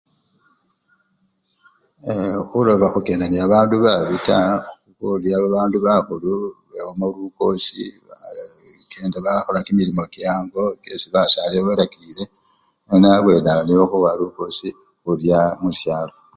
Ee! khuloba khukenda nende bandu babi taa, khurya bandu bakhulu khwabesyamo lukosi, ee! bakenda bakhola chikasii che-ango esi basali babalakilile nono abwenawo nikho khuwa lukosi khurya musyalo.